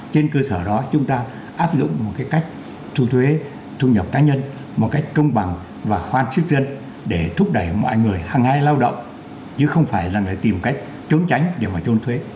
trên cơ sở đó chúng ta áp dụng một cái cách thu thuế thu nhập cá nhân một cách công bằng và khoan sức dân để thúc đẩy mọi người hàng ngày lao động chứ không phải là tìm cách trốn tránh đều phải trốn thuế